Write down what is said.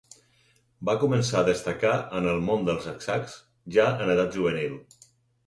Va començar a destacar en el món dels escacs ja en edat juvenil.